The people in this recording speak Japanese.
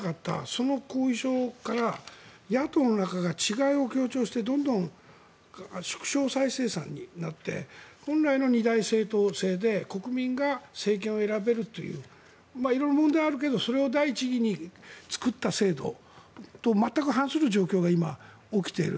その後遺症から野党の中で違いを強調してどんどん縮小再生産になって本来の二大政党制で国民が政権を選べるという色々問題はあるけどそれを第一義に作った制度と全く反する状況が今、起きている。